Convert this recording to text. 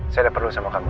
saya gak perlu sama kamu